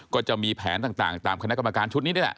ก็จะมีแผนต่างตามคณะกรรมการชุดนี้นี่แหละ